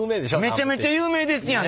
めちゃめちゃ有名ですやん！